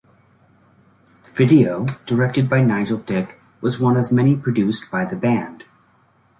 The video, directed by Nigel Dick, was one of many produced by the band.